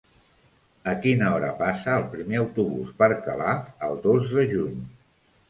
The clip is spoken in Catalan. A quina hora passa el primer autobús per Calaf el dos de juny?